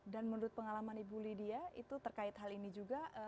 dan menurut pengalaman ibu lydia itu terkait hal ini juga